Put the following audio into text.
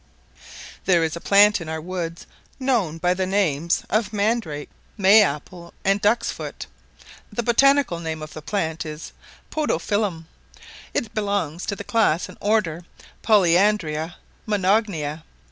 There is a plant in our woods, known by the names of man drake, may apple, and duck's foot: the botanical name of the plant is Podophyllum; it belongs to the class and order Polyandria monogynia.